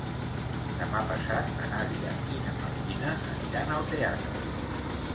Demà passat na Nàdia i na Martina aniran al teatre.